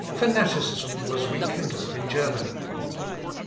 Fanaticism was rekindled in Germany.